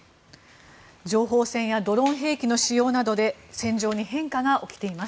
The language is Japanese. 情報戦やドローン兵器の使用などで戦場に変化が起きています。